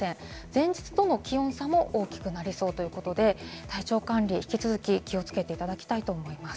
前日との気温差も大きくなりそうということで、体調管理に引き続き気をつけていただきたいと思います。